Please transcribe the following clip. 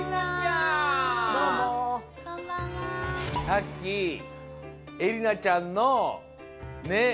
さっきえりなちゃんのねっ